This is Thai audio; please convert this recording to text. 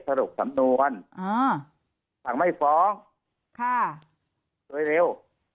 สรุปสำนวนสั่งไม่ฟ้องโดยเร็ว